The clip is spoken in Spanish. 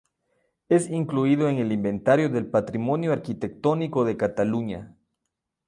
Es incluido en el Inventario del Patrimonio Arquitectónico de Cataluña.